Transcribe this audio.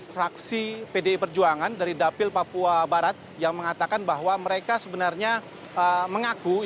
fraksi pdi perjuangan dari dapil papua barat yang mengatakan bahwa mereka sebenarnya mengaku